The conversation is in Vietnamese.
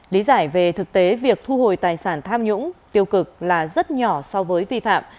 lý giải về thực tế việc thu hồi tài sản tham nhũng tiêu cực là rất nhỏ so với vi phạm